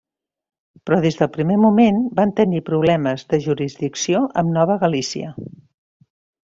Però des del primer moment van tenir problemes de jurisdicció amb Nova Galícia.